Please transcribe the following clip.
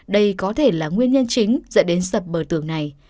đây có thể là nguyên nhân chính dẫn đến sập bờ tường này